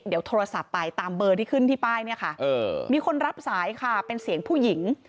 เดี๋ยวโทรศัพท์ไปตามเบอร์ที่ขึ้นที่ป้ายเนี่ยค่ะมีคนรับสายค่ะเป็นเสียงผู้หญิง